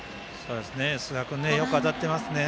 寿賀君よく当たっていますね。